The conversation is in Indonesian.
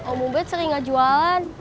sekarang om ubed sering gak jualan